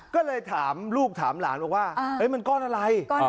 ก็เลยถามลูกถามหลานบอกว่ามันก้อนอะไร